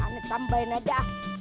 ane tambahin aja